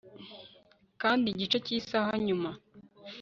kandi igice cy'isaha nyuma